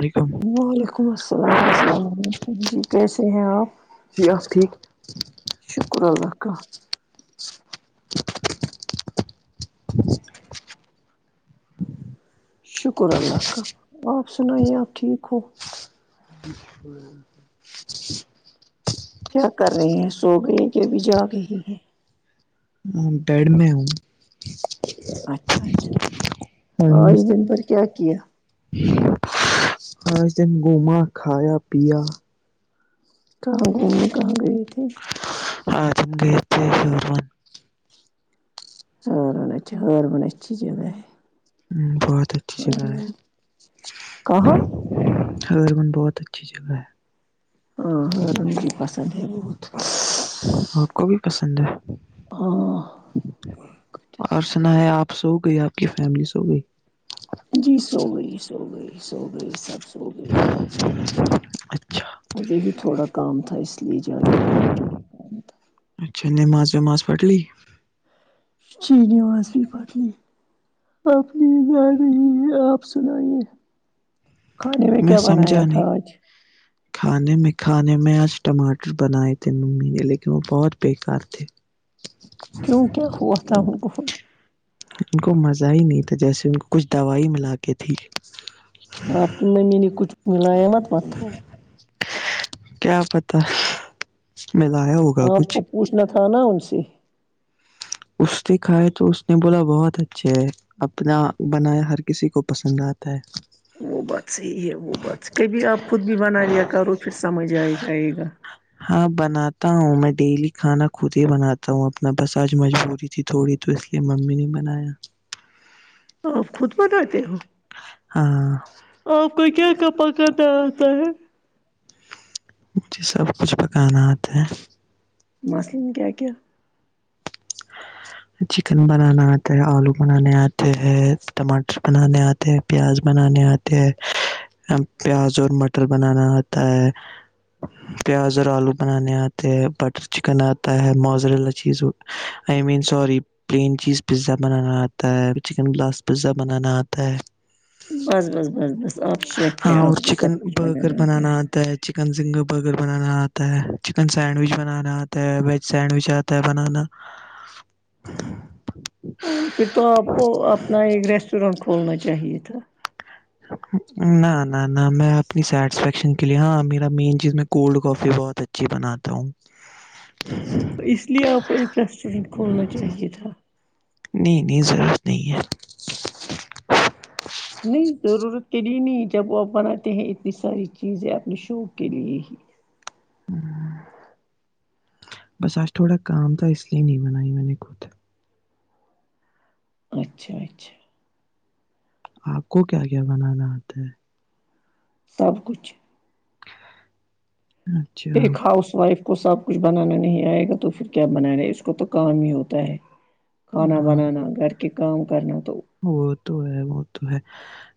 علیکم وعلیکم السلام اسلام علیکم جی کیسے ہیں آ جی آپ پ ٹھیک شکر اللہ کا شکر اللہ کا اپ سنائیں اپ ٹھیک ہو [unintelligible] کیا کر رہے ہیں سو گئی کے ابھی جاگے ہی ہیں ہ گھر میں ہوں اچھا اچھا اچھا اج دن بھر کیا کیا پانچ دن گھوما کھایا پیا کہاں گھومنے کہاں گئے تھے [unintelligible] اور بہت اچھا اور بہت اچھی جگہ ہے ھمم بہت اچھی جگہ ہے کہاں ہربن بہت اچھی جگہ ہے ہاں رنگین پسند ہے بہت آ پ کو بھی پسند ہے ہاں اور سنائیں آ پ سو گئے آ پ کی فیملی سو گئی جی سو گئی سو گئی سو گئی سب سو گئی اچھا مجھے ہی تھوڑا کام تھا اس لیے جاگی ہوں اچھا نماز وماز پڑھلی جی نماز بھی پڑھلی اب نیند رہی ہے آپ سنائیے کھانے میں کیا بنایا سمجھا تھا آ نہیں ج کھانے میں کھانے میں آ ج ٹماٹر بنائے تھے ممی نے لیکن وہ بہت بےکار تھے کیونکہ [unintelligible] ہو تھا ان کو مزہ ہی نہیں تھا جیسے ان کو کچھ دوائی ملا کے تھی اپ کے ممی نے کچھ ملایا تھا کیا پتہ ملایا ہو اپ کو پوچھنا تھا نا ان سے اس نے کھایا تو اس نے بولا بہت اچھا ہے اپنا بنایا ہر کسی کو پسند اتا ہے وہ بات صحیح ہے وہ بات کبھی آ پ خود بھی بنا لیا کرو پھر سمجھ آ جائے گا ہاں بناتا ہوں میں ڈیلی کھانا خود ہی بناتا ہوں اپنا بس آ ج مجبوری تھی تھوڑی تو اس لیے ممی نے بنایا آپ خود بناتے ہو ہاں آپ کو کیا کیا پکانا آتا ہے مجھے سب کچھ پکانا آتا ہے مثلا کیا کیا [inaudible] چکن بنانا آتا ہے آلو بنانے آتے ہیں ٹماٹر بنانے آتے ہیں پیاز بنانے آتے ہے پیاز اور مٹر بنانا آتا ہے پیاز اور آلو بنانے آتے ہے بٹر چکن آتا ہے موزرولا چیز ہو I mean sorry plain cheese pizza بنانا آتا ہے چکن گلاس پزا بنانا آتا ہے بس بس بس بس آپ شیف ہیں ہاں اور آپ کو سب چکن کچھ برگر بنانا آتا ہے چکن سنگل برگر بنانا آتا ہے چکن سینڈوچ بنانا آتا ہے ویج سینڈوچ آتا ہے بنانا [inaudible] اری پھر تو آپ کو اپنا ایک ریسٹورینٹ کھولنا چاہیے تھا نہ نہ نہ میں اپنی سیٹسفیکشن کے لیے ہاں میرا مین چیز میں کولڈ کافی بہت اچ چے بناتا ہوں تو اس لیے آپ کو ایک ریسٹورینٹ کھولنا چاہیے تھا نہیں نہیں ضرورت نہیں ہے نہیں ضرورت کے لیے نہیں جب وہ آپ بناتے ہیں اتنی ساری چیزیں اپنے شوق کے لیے ہی بس آج تھوڑا کام تھا اس لیے نہیں بنائی میں نےخود اچھا اچھا آپ کو کیا کیا بنانا آتا ہے اور کچھ اچھا ایک ہاؤس وائف کو سب کچھ بنانا نہیں آئے گا تو پھر کیا بناانا ہے اس اس کو تو کام ہی ہوتا ہے کھانا ہاں وہ بنانا گھر کے کام کرنا تو وہ تو ہے وہ تو ہے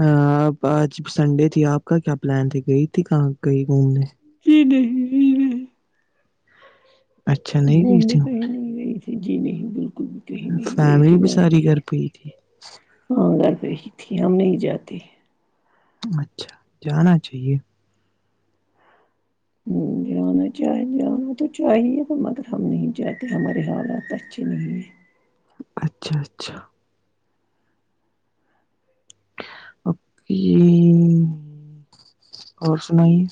ا آب آج سنڈے تھی آپ کا کیا پلان تے گئی تھی کہاں گئی گھومنے جی نہی اچھا [unintelligible] نہیں گئی گھومنے تھی کہیں نہیں گئی تھی جی نہیں بالکل بھی کہیں نہیں گئی فیملی تھی بھی ساری میں گھر پئی تھی ہاں گھر بیہ ہی تھی ہم نہیں جاتے اچھا جانا چاہیے [inaudible] جانا چاہیے جانا تو چاہیے مگر ہم نہیں چاہتے ہمارے حالات اچھے نہیں ہے اچھا اچھا اوکے اور سنائیے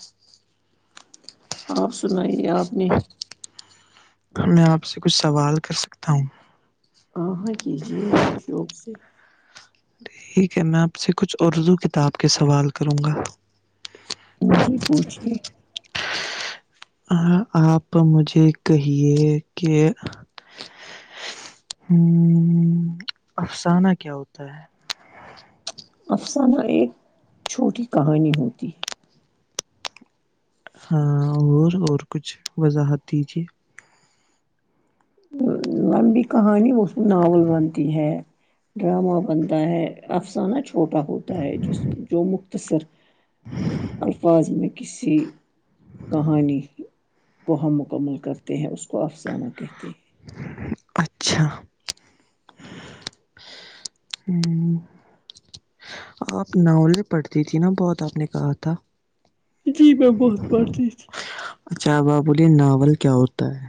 آپ سنائیے آپ نے میں آپ سے کچھ سوال کر سکتا ہوں ہ ہاں کیجیے شوق سے ٹھیک ہے میں آپ سے کچھ اردو کتاب کے سوال کروں گا جی پوچھیے آپ مجھے کہیے کہ ہ افسانہ کیا ہوتا ہے افسانہ ایک چھوٹی کہانی ہوتی ہے ہاں اور اور کچھ وضاحت دیجیے لمبی کہانی اس میں ناول بنتی ہے ڈرامہ بنتا ہے افسانہ چھوٹا ہوتا ہے جس جو مختصر الفاظ میں کسی کہانی کو ہم مکمل کرتے ہیں اس کو افسانہ کہتے ہیں اچھا ہوں آپ ناولیں پڑتی تھی نا بہت آپ نے کہا تھا جی میں بہت پڑھتی تھی اچھا اب آپ بولیے ناول کیا ہوتا ہے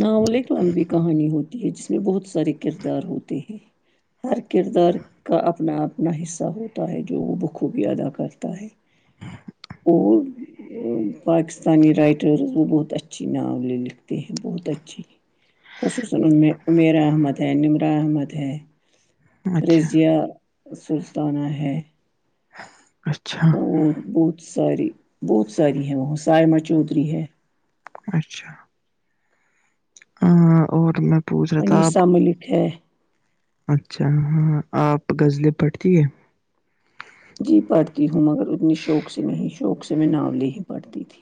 ناول اک لمبی کہانی ہوتی ہے جس میں بہت سارے کردار ہوتے ہیں ہر کردار کا اپنا اپنا حصہ ہوتا ہے جو وہ بخوبی ادا کرتا ہے وہ پاکستانی ریٹرز اسکو بہت اچ اچھی ناول لکھتے ہیں بہت اچھی خصوصا ام عمیر احمد ہے نمرا احمد ہے ہے اچھا رضیہ سلطانہ ہے اچھا اور بہت ساری بہت ساری ہیں وہاں سائما چودھری ہے اچھا ہ اور میں پوچھ رہا تھا آپ انیسہ ملک ہے اچھا ہاں آپ غزلیں پڑھتی ہے جی پڑھتی ہوں مگر اتنی شوق سے نہیں شوق سے میں ناولیں ہی پڑھتی تھی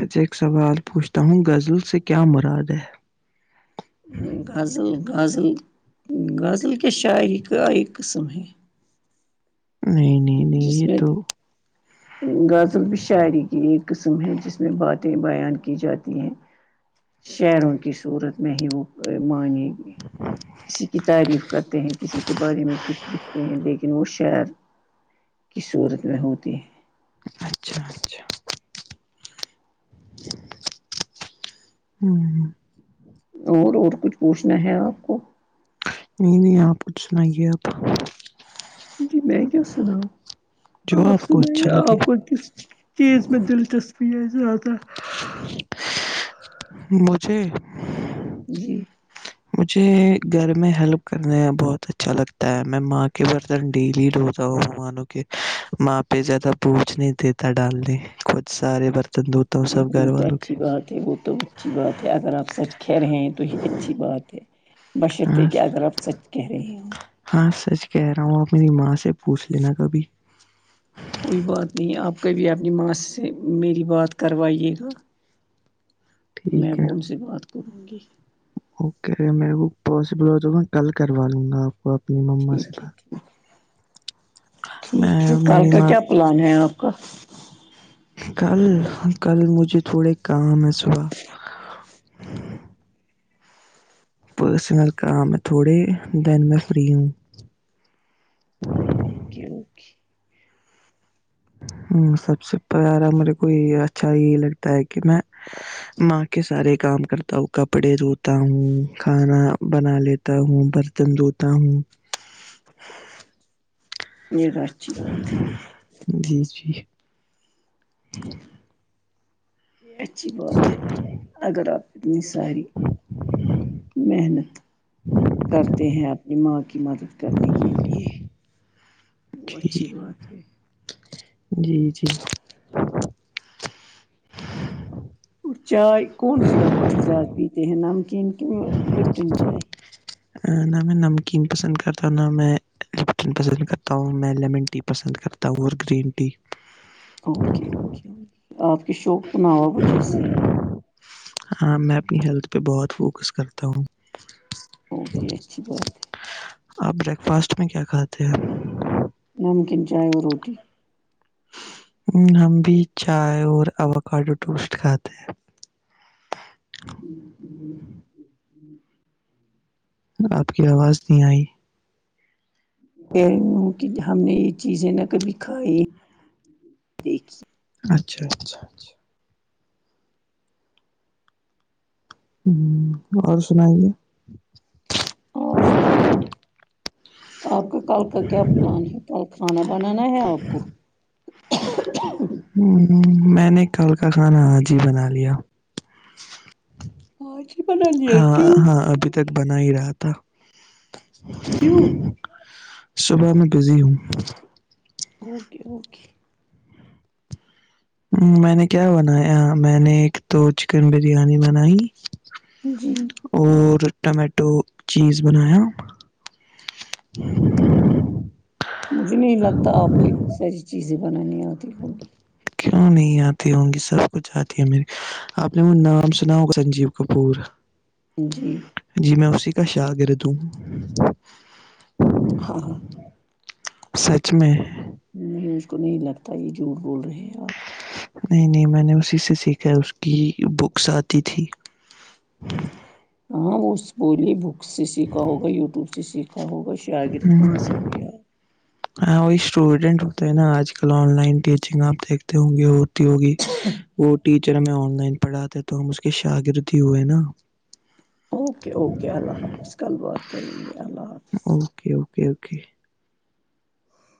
اچھا ایک سوال پوچھتا ہوں غزل سے کیا مراد ہے تھی غزل غزل غزل کے شاعری کا ایک قسم ہے جس میں ہ غزل بھی شاعری کی ایک قسم ہے جس میں باتیں بیان کی جاتی ہیں [inaudible] شعروں کی صورت میں ہی وہ معنی کسی کی تعریف کا ہیں کسی کے بارے میں کچھ لکھتے ہیں لیکن وہ شعر کی صورت میں ہوتی ہے اچھا اچھا ہوں اور اور کچھ پوچھنا ہے آپ کو نہیں نہیں آپ کچھ سنائے اب جی میں کیا سناوں جو آپ کو سنایے اچھا لگے آپ کو کس چیز میں دلچسپی ہے زیادہ مجھے جی مجھے گھر میں ہیلپ کرنے بہت اچھا لگتا ہے میں ماں کے بہت ڈیلی دھوتا ہوں مہمانوں کے ماں پہ زیادہ بوچھ نہیں دیتا ڈال دی سارے برتن دھوتا ہوں سب وہ گھر تو والوں اچھی کے بات ہے وہ تو اچھی بات ہے اگر آپ سچ کہہ رہے ہیں تو یہ اچھی بات ہے [inaudible] بشرط یہ کہ آپ اب سچ کہہ رہی ہوں ہاں سچ کہہ رہا ہوں آپ میری ماں سے پوچھ لینا کبھی کوئی بات نہیں آپ کبھی اپنی ماں سے میری بات کروائیے گا میں ٹھیک ہے ان سے بات کروں گی اوکے میرے وہک پاسبل ہو تو میں کل کروا لوں گا آپ کوپ مما سے ٹھیک ہے بات ٹھیک ہے میں کل میری کا ماں کیا پلان ہے آپ کا کل کل مجھے تھوڑے کام ہے صبح پررسنل کا میں تھوڑے دن میں فری ہوں اوکے اوکے وہ سب سے پیارا میرے کو یہ اچھا یہی لگتا ہے کہ میں ماں کے سارے کام کرتا ہوں کپڑے دھوتا ہوں کھانا بنا لیتا تا ہوں برتن دھوتا ہوں یہ تو اچھی بات ہے جی جی یہ اچھی بات ہے اگر آپ اتنی ساری محنت کرتے ہیں اپنی ماں کی مدد کرنے کے لیے وہ جی اچھی بات ہے جی جی چائے کون سی آپ پسند سے زیادہ پیتے ہیں نمکین کی یہ لپٹن چائے نہ میں نمکین پسند کرتا ہوں نہ میں لپٹن پسند کرتا ہوں میں لیمن ٹی پسند کرتا ہوں کرتا ہوں گرین ٹی اوکے اوکے آپ کے شوق تو نوابو جیسے ہیں ہاں میں اپنی ہیلتھ پہ بہت فوکس کرتا ہوں اوکے اچھی بات ہے آپ بریک فاسٹ میں کیا کھاتے ہو نمکین چائے اور روٹی ہ ہم بھی چائے اور ایووکیڈو ٹوسٹ کھاتے ہیں [unintelligible] آپ کی آواز نہیں آئی کہہ رہی ہوں کہ ہم نے یہ چیزیں نہ کبھی کھائی دیکھی اچھا اچھا اچھا ہم اور سنائیے آپ سنائیے آپ کا کل کا کیا پلان ہے کل کھانا بنانا ہے آپ کو ہوں میں نے کل کا کھانا آج ہی بنا لیا آج ہی بنا لیا ہاں کیوں ہاں ابھی تک بنا ہی رہا تھا کیوں صبح میں بزی ہوں اوکے اوکے میں نے کیا بنایا میں نے ایک تو چکن بریانی بنائی جی اور ٹماٹو چیز بنایا مجھے نہیں لگتا آپ کو اتنی ساری چیزیں بنانی آتی ہوگی کیوں نہیں آتی ہوں گی سب کچھ آتی ہے مری آپ نے وہ نام سنا ہوگا سنجیو کپور جی جی میں اسی کا شاگرد ہوں ہاں ہاں سچ میں نہیں مجھ کو نہیں لگتا یہ جھوٹ بول رہے ہیں آپ نہیں نہیں میں نے اسی سے سیکھا ہے اس کی بکس آتی تھی ہاں وہ [unintelligible] بک سے سیکھا ہوگا یوٹیوب سے سیکھا ہوگا شاگرد ہ کہاں سے ہوئی آپ ہاں وہی اسٹوڈینٹ ہوتے ہیں نا آج کل آن لائن ٹیچنگ آپ دیکھتے ہوں گے ہوتی ہوگی وہ ٹیچر ہمیں آن لائن پڑھاتے تو ہم اس کے شاگرد ہی ہوئے نا اوکے اوکے اللہ حافظ کل بات کریں گے اللہ حافظ اوکے اوکے اوکے